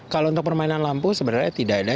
kalau untuk permainan lampu sebenarnya tidak ada